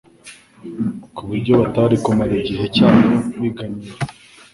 ku buryo batari kumara igihe cyabo biganyira,